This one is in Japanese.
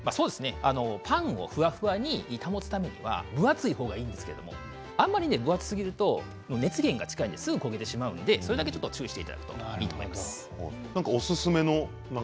パンもふわふわに保つためには分厚い方がいいんですけどあんまり分厚すぎると熱源が近いのですぐに焦げてしまうのでそれだけ注意していただくといいと思います。